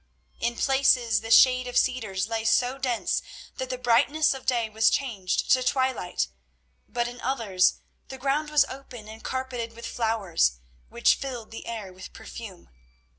In places the shade of cedars lay so dense that the brightness of day was changed to twilight, but in others the ground was open and carpeted with flowers which filled the air with perfume.